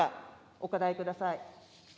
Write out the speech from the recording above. お答えください。